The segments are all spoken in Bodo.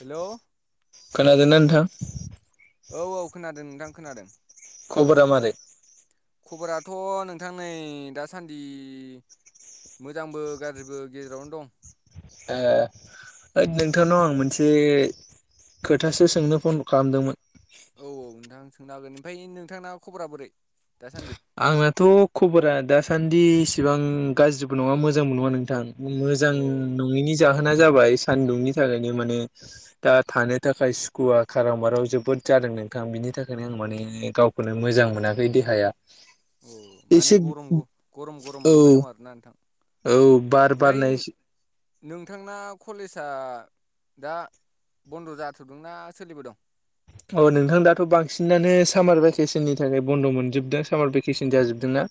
हेलौ खोनादों ना नोंथां? औ औ खोनादों नोंथां खोनादों। खबरा मारै? खबराथ नोंथां नै दासान्दि मोजांबो गाज्रिबो गेजेरावनो दं। ए ओइ नोंथांनाव आं मोनसे खोथासो सोंनो फन खालामदोंमोन। औ औ नोंथां सोंनो हागोन ओमफ्राय नोंथां ना खबरा बोरै? दासान्दि आंनाथ खबरा दासान्द दि इसेबां गाज्रिबो नङा मोजांबो नङा नोंथां मोजां अ नङिनि जाहोना जाबाय सान्दुंनि थाखायनो माने दा थानो थाखाय सुखुवा खाराव माराव जोबोद जादों नोंथां बिनि बेनि थाखायनो आं माने गावखौनो मोजां मोनाखै देहाया। औ माने एसे गरम गरम गरम औ मोनबाय दं आरोना नोंथां। औ बार ओमफ्राय बारनाय अ नोंथांना कलेजआ दा बन्द जाथदों ना सोलिबाय दं? अ नोंथां दाथ' बांसिनानो सामार भेकेसननि थाखाय बन्द' मोनजोबदों सामार भेकेसन जाजोबदोंना।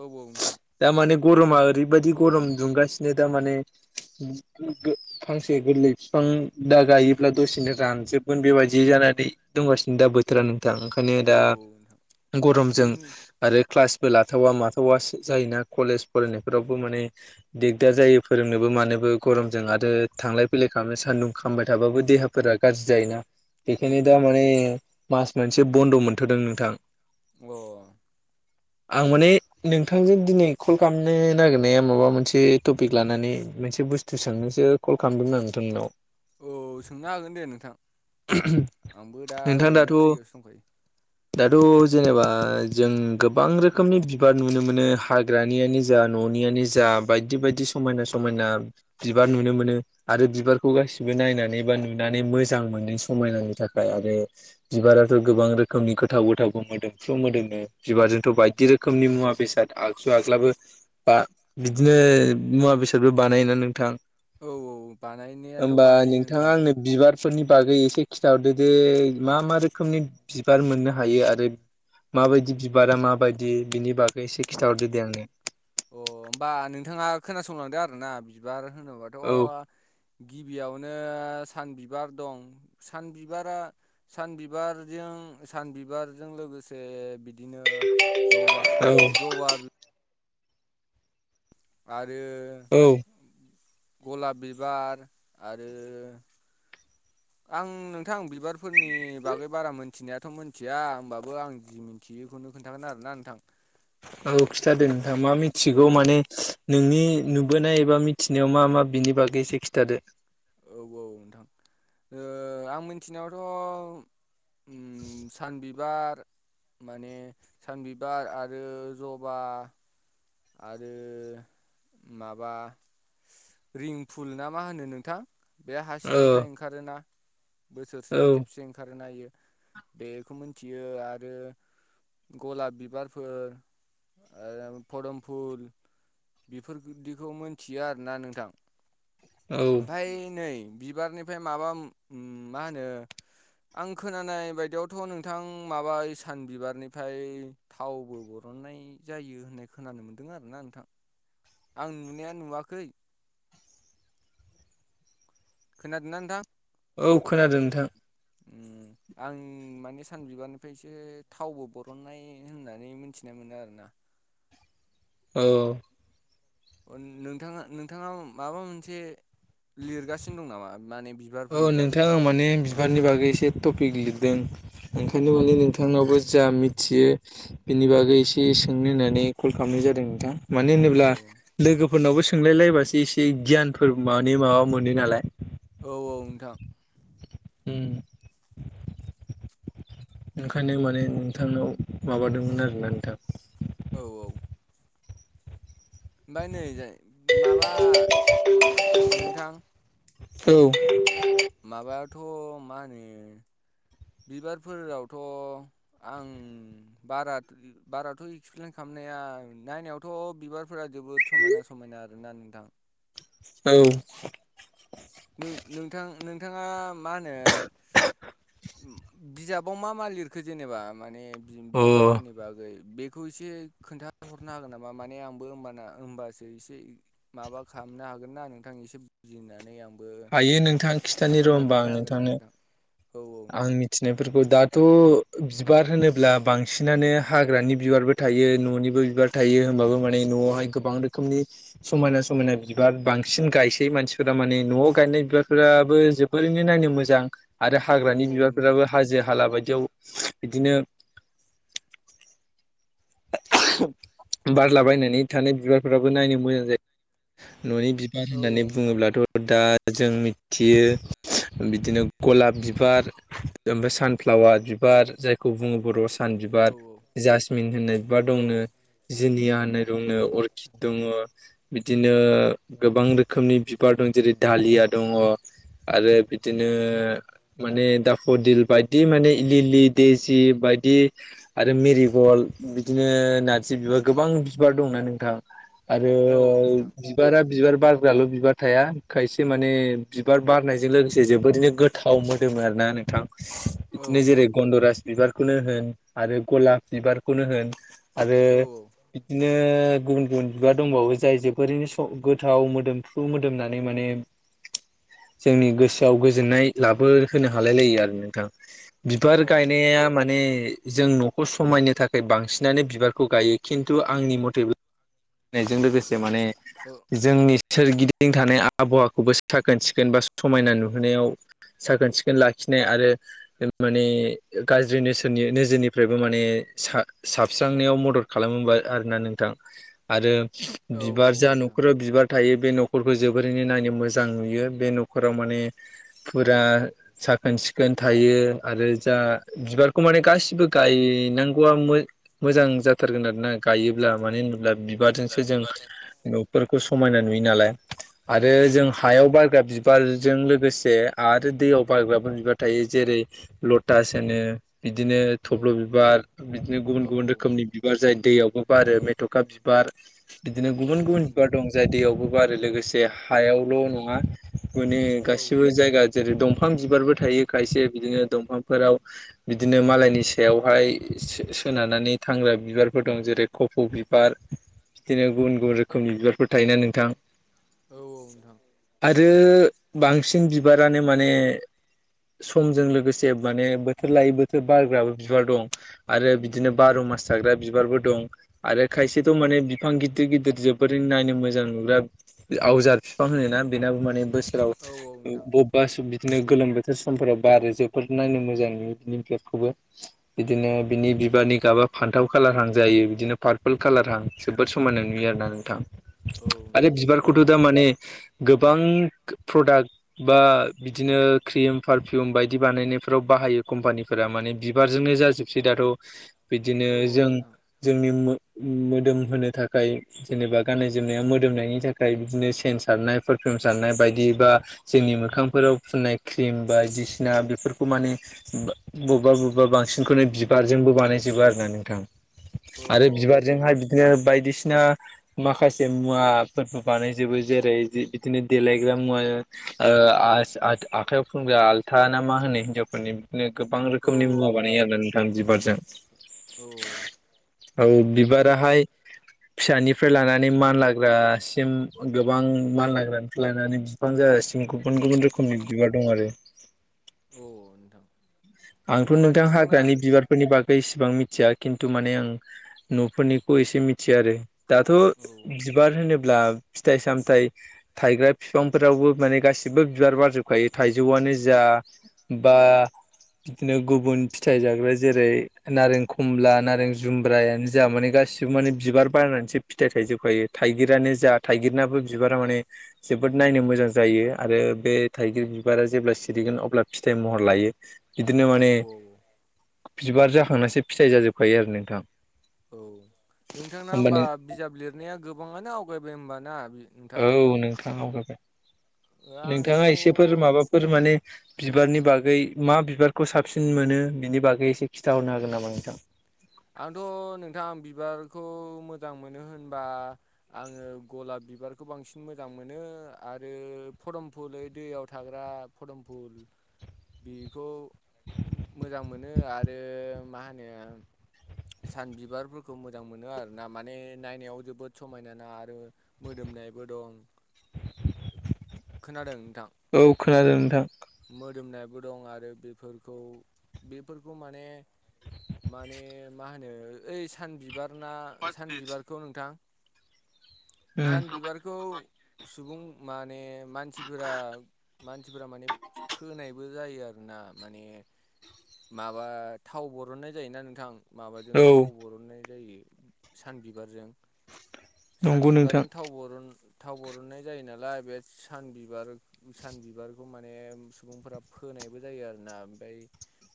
औ औ नोंथां थारमाने गरमा ओरैबायदि गरम दुंगासिनो थारमाने फांसे गोरलै बिफां दा गायोब्ला दसेनो रानजोबगोन बेबायदि जाना दंगासिनो दा बोथोरा नोंथां ओंखायनो औ दा औ नोंथां गरमजों जोंनि आरो क्लास लाथावा माथावा जायोना कलेज फरायनायफोरावबो माने दिगदार जायो फोरोंनोबो मानो गरमजों आरो थांलाय फैलाय खालामनो सान्दुं खामबाय थाबाबो देहाफोरा गाज्रि जायोना। औ ओंखायनो दा माने मास मोनसे बन्द मोनथदों नोंथां। अ [inaudible] आं माने नोंथांजों दिनै कल खालामनो नागिरनाया माबा मोनसे टपिक लानानै मोनसे बुस्थु सोंनोसो कल खालामदों नोंथांनाव। औ सोंनो हागोन दे नोंथां आंबो दा नोंथाङा ओरैनो दाथ' फ्रियावसो दंखायो। दाथ' जेनेबा जों गोबां रोखोमनि बिबार नुनो मोनो हाग्रानियानो जा न'नियनो जा बायदि बायदि समायना समायना बिबार नुनो मोनो आरो बिबारखौ गासिबो। नायनानै बा नुनानै मोजां मोनो समायनानि थाख आरो बिबाराथ' गोबां रोखोमनि गोथाव गोथावबो मोदोमफ्रु मोदोमो बिबारजोंथ' बायदि रोख खोमनि मुवा बेसाद आगजु आग्लाबो बा बिदिनो मुवा बेसादबो बानायोना नोंथां। औ औ बानायनायाथ' बानायो नोंथां। फोरनि बागै एसे खिन्थाहरदो दे मा मा रोखोमनि बिबार मोननो हायो आरो माबायदि बिबारा माबायदि बिनि बागै एसे खिथाहरदो दे आंनो। अ होमबा नोंथाङा खोनासंलांदों आरो ना बिबार होनोबाथ' औ गिबियावनो सान बिबार दं सान बिबारा सान बिबारजों उम सान बिबारजों लोगोसे बिदिनो जबा औ जबा बि आरो औ गलाब बिबार आरो आं नोंथां बिबारफोरनि बागै बारा मोनथिनायाथ' मोनथिया होमबाबो आं जि मिथियो बेखौनो खोन्थागोन आरोना नोंथां औ खिथा दे नोंथां मा औ मिथिगौ माने नोंनि नुबोनाय एबा मिथिनायाव मा मा बिनि बागै एसे खिथादो औ औ नोंथां ओ आं मिथिनायावथ' उम सान बिबार, माने सान बिबार आरो जबा आरो माबा रिंफुल ना मा होनो नोंथां? बे हा औ सिंनिफ्राय ओंखारोना। औ बोसोरसेयाव खेबसे ओंखारोना यो बेखौ मिथियो आरो गलाब बिबारफोर ओ पदमफुल बेफोरदिखौ मोनथियो आरोना नोंथां। औ ओमफाय नै बिबारनिफ्राय माबा उम मा होनो? आं खोनानाय बायदियावथ' नोंथां माबा इसान बिबारनिफ्राय थावबो गर हननाय जायो होननाय खोनानो मोन्दों आरोना नोंथां आं नुनाया नुवाखै। खोनादोंना नोंथां? औ खोनादों नोंथां। उम आं माने सानबिबारनिफ्रायसो थावबो बरननाय होननानै मिथिनाय मोनो आरोना। औ। ओ नोंथाङा नोंथाङा माबा मोनसे लिरगासिनो दं नामा माने औ बिबारफोरनि बागै नोंथां आं माने बिबारनि बागै एसे टपिक लिरदों। औ ओंखायनो माने नोंथांनावबो जा मिथियो बिनि बागै एसे सोंनो होननानै कल खालामनाय जादों नोंथां। मानो होनोब्ला लोगो फोरनावबो सोंलायलायबासो एसे गियानफोर मानि माबा मोनो नालाय। औ औ नोंथां। उम। ओंखायनो माने नोंथांनाव माबादोंमोन आरोना नोंथां। औ औ। ओमफाय नै जाय माबा नोंथां औ। थ' माने बिबारफोरावथ' आं बारा बाराथ' एक्सप्लइेन खालाम नाया नायनायावथ' बिबारफोरा जोबोद समायना समायना आरोना नोंथां। औ। नों नोंथां नोंथाङा मा होनो बिजाब बाव मा मा लिरखो जेनेबा माने औ अ बिबारफोरनि बागै बेखौ एसे खोन्थाहरनो हागोन नामा माने आंबो होमबाना होनबासो एसे माबा हामनो हागोन ना नोंथां एसे बुजिनानै आं हायो नोंथां खिथानो र' होनोमबा हागोन ना नोंथांनो नोंथां औ औ आं नोंथां मिथिनायफोरखौ दाथ' बिबार होनोब्ला बांसिनानो हाग्रानि बिबारबो थायो न'निबो बिबार थायो होनोमबाबो माने न'आवहाय गोबां रोखोमनि समायना समायना बिबार बांसिन गायसै मानसिफोरा माने न'आव गायनाय बिबारफोराबो जोबोरैनो नायनो मोजां आरो औ हाग्रानि औ नोंथां बिबारफोराबो हाजो हाला बाय याव बिदिनो बारलाबायायनानै थानाय बिबारफोराबो नायनो मोजां जायो। न'नि बिबार औ होननानै नोंथां बुङोब्लाथ' दा जों मिथियो बिदिनो गलाब बिबार ओमफ्राय सानफ्लावार बिबार जायखौ बुङो बर'आ सान औ बिबार, जासमिन होननाय बिबार औ दंनो जुनिया होननाय औ दंनो अर्किद दं दङ' बिदिनो गोबां रोखोमनि बिबार दं जेरै दालिया दङ' आरो बिदिनो औ माने दाफ'दिल, बायदि माने लिलि, देजि, बायदि आरो मेरिगल बिदिनो नारजि बिबार गोबां बिबार दंना नोंथां? आरो औ नोंथां बिबारा बिबार बारग्राल' बिबार थाया खायसे माने बिबार बारनायजों लोगोसे जोबोरैनो गोथाव मोदोमो आरोना नोंथां। औ बिदिनो जेरै गन्दराज बिबारखौनो होन आरो गलाफ बिबारखौनो होन आरो औ बिदि नो गुबुन गुबुन बिबार दंबावो जाय जोबोरैनो स गोथाव मोदोमफ्रु मोदोमनानै माने जोंनि गोसोआव गोजोननाय लाबोहोनो हालाय लायो आरो नोंथां। बिबार गायनाया माने जों न'खौ समायनो था खाय बांसिनानो बिबारखौ गायो खिन्थु आंनि मथे समायनायजों लोगोसे माने अ औ जोंनि सोरगिदिं थानाय आबहावाखौबो साखोन सिखोन बा समायना नुहोनायाव साखोन सिखोन लाखि नाय आरो माने गाज्रि नोसोरनि नोजोरनिफ्रायबो माने सा साबस्रांनायाव मदद खालामोबा आरोना नोंथां आरो औ औ बिबार जा नोंथां न'खराव बिबार थायो बे न'खरखौ जोबोरैनो नायनो मोजां नुयो बे न'खराव माने फुरा साखोन सि सिखोन थायो आरो जा बिबारखौ माने गासिबो गायनांगौआ मोजां जाथारगोन आरोना गायोब्ला मानो होनोब्ला बिबारजोंसो जों न'फोरखौ समायना नुयो नालाय आरो जों हायाव बारग्रा बिबारजों लोगोसे आरो दै याव बाग्राफोर बिबार थायो जेरै लटास होनो। बिदिनो औ थब्ल' बिबार बिदिनो औ गुबुन गुबुन रोखोमनि बिबार जाय दैयावबो बारो मेथ'खा बिबार बिदिनो औ गुबुन औ गुबुन बिबार नोंथां दं जाय दैयावबो बारो लोगोसे हायावल' नङा औ मानेगासिबो जायगा जेरै दंफां बिबारबो थायो खायसे बिदिनो दंफांफोराव बिदिनो मालायनि सायावहाय सोनारनानै थांग्रा बिबारफोर दं जेरै कफ' बिबार बिदिनो गुबुन गुबुन रोखोमनि बिबारफोर थायोना नोंथां औ औ नोंथां आ रो बांसिन बिबारानो माने समजों लोगोसे माने बोथोर लायै बोथोर बारग्राबो बिबार दं आरो बि दिनो बार' मास जाग्रा बिबारबो दं आरो खायसेथ' माने बिफां गिदिर गिदिर जोबोरै नायनो मो जां नुग्रा आवजार फिफां होनोना बेनाबो माने बोसोराव औ औ नोंथां बबेबा सुब नो गोलोम बोथोर समफोराव बारो जोबोद नायनो मोजां नुयो बिनि बिबारखौबो बिदिनो बिनि बि बारनि गाबा फान्थाव कालारहां जायो बिदिनो पारपोल कालारहां जोबोद समायना नुयो आरोना नोंथां। औ आरो नोंथां बिबारखौथ' मा दा माने गोबां प्रडाक्ट बा बिदिनो क्रिम पारफिउम बायदि बानायनायफ्राव बाहायो कम्पानिफोरा माने बिबारजोंनो जाजोबसै दाथ' बिदिनो औ औ जों नोंथां जोंनि मो मोदोम होनो थाखाय जेनेबा गाननाय जोमनायाव मोदोमनायनि थाखाय बिदिनो सेन सारनायफोर नाफाम सारनाय बायदि बा जोंनि मोखांफोराव फुननाय क्रिम बायदिसिना बेफोरखौ माने बा बबेबा बबेबा बांसिनखौनो बिबार। जोंबो बानायजोबो आरोना नोंथां औ आरो नोंथां बिबारजोंहाय बिदिनो बायदिसि सिना माखासे मुवाफोरबो बानायजोबो जेरै इदि इदिनो देलायग्रा मुवा। ओ आस आ आखायाव फुनग्रा आलथा ना मा होनो हिनजावफोरनि। गोबां औ रोखोमनि मुवा बानायो आरो ना नोंथां बिबारजों। औ औ बिबाराहाय। नो फिसानिफ्राय लानानै मानलाग्रासिम गोबां मानलाग्रानिफ्राय लानानै बिफां जाजासि गुबुन गुबुन रोखोमनि बिबार दं आरो। औ नोंथां आंथ' होमबा नोंथां नोंथांना हाग्रानि बिबारफोरनि बाग गै इसेबां मिथिया खिन्थु माने आं न'फोरनिखौ एसे मिथियो आरो। दाथ' औ बिबार होनो। ब्ला फिथाइ सामथायाइ थायग्रा बिफांफोरावबो माने गासिबो बिबार बारजोबखायो थाइजौआनो। जा बा। बिदिनो गुबुन फिथाइ जाग्रा जेरै नारें खमला नारें जुमब्रायानो जा माने गासिबो। माने बिबार बायनानैसो फिथाइ थायजोबखायो थाइगिरानो जा थाइगिरनाबो बिबारा माने जोबोद। नायनो मोजां जायो आरो बे थाइगिर बिबारा जेब्ला सिरिगोन अब्ला फिथाइ महर लायो। बिदिनो औ माने बिबार जाखांनासो फिथाइ जाजोबखायो आरो नोंथां। औ नोंथां होमबा बिजाब लिरनाया गोबाङानो आवगायबाय होमबाना। औ नोंथां आवगायबाय नोंथाङा एसेफोर आंथ' माबाफोर माने बिबारनि बागै मा बिबारखौ साबसिन मोनो बिनि बागै एसे खिथाहरनो हागोन नामा नोंथां? आंथ' नोंथां बिबारखौ मोजां मोनो होनबा आङो गलाब बिबारखौ बांसिन मोजां मोनो आरो फदमफुल ओइ दैयाव थाग्रा फदमफुल बेखौ मोजां मोनो आरो मा होनो सान बिबारफोरखौ मोजां मोनो आरोना माने नायनायाव जोबोद समायना ना आरो मो दोमनायबो दं। खोनादों नोंथां औ खोनादों नोंथां। मोदोमनायबो दं आरो बेफोरखौ बेफोरखौ माने माने मा होनो ओइ सान बिबार ना सान बिबारखौ नोंथां। सान बिबारखौ सुबुं माने मानसिफोरा मानसिफोरा माने फोनायबो जायो आरोना माने माबा थाव बरननाय जायोना नोंथां। माबाजों औ थाव बर'ननाय जायो सान बिबारजों। सान नंगौ नोंथां बिबारजों थाव बर'न थाव बर'ननाय जायो नालाय बे सान बिबार सान बिबारखौ मान ने सुबुंफोरा फोनायबो जायो आरो ना ओमफाय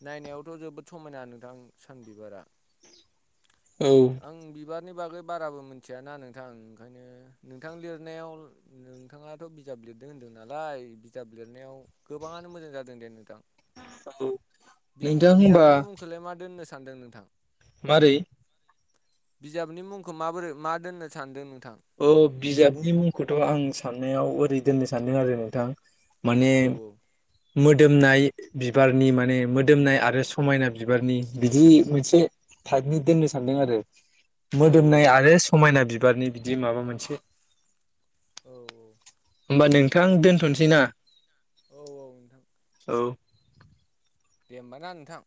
नायनायावथ' जोबोद समायना नोंथां सान बिबारा औ आं बिबार नि बागै बाराबो मिथियाना नोंथां ओंखायनो नोंथां लिरनायाव नोंथाङाथ' बिजाब लिरदों होन्दों नालाय बिजाब लिरनायाव गोबाङानो मोजां जादों दे नोंथां। [unintelligible] नोंथां होनबा बि-बिजाबनि मुंखौलाय मा दोननो सानदों नोंथां? मारै? बिजाबनि मुंखौ माबोरै मा दोननो सानदों नों अ बिजाबनि मुंखौथ' आं साननायाव ओरै दोननो सानदों आरो नोंथां। माने औ मोदोमनाय बिबारनि माने मोदोमनाय आरो समायना बिबारनि बिदि मोनसे थाइपनि दोननो सानदों आरो। औ मोदोमनाय आरो नोंथां समायना बिबारनि बिदि माबा मोनसे। औ औ। होमबा नोंथां दोनथ'नोसै ना? औ औ नोंथां। औ दे होमब ना नोंथां?